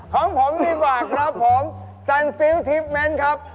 ของผมดีกว่าครับผมซัลซิลทิฟต์แมนครับ